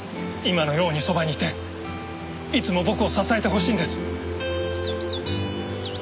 今のようにそばにいていつも僕を支えてほしいんです。